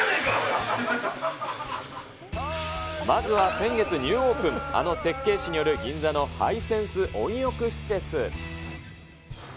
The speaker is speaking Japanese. まずは先月ニューオープン、あの設計士による銀座のハイセンス温浴施設。